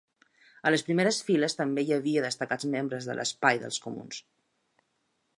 En les primeres files també hi havia destacats membres de l’espai dels comuns.